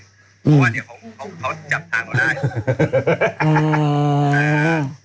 เพราะว่าเดี๋ยวเขาจับทางเขาได้